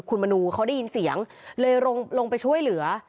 คุณมนูเขาได้ยินเสียงเลยลงไปช่วยเหลือ